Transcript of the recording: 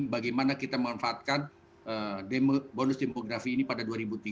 bagaimana kita memanfaatkan bonus demografi ini pada dua ribu tiga puluh